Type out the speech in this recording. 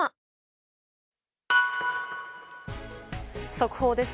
速報です。